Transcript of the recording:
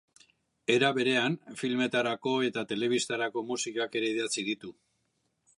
Era berean, filmetarako eta telebistarako musikak ere idatzi ditu.